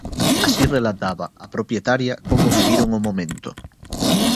Así relataba a propietaria como viviron o momento.